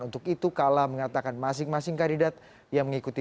untuk itu kala mengatakan masing masing kandidat yang mengikuti